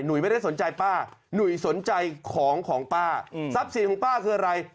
ไม่ได้สนใจป้าหนุ่ยสนใจของของป้าทรัพย์สินของป้าคืออะไร